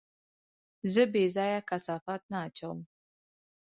زه بېځايه کثافات نه اچوم.